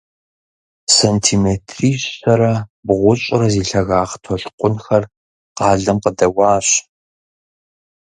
Сантиметрищэрэ бгъущӏрэ зи лъагагъ толъкъунхэр къалэм къыдэуащ.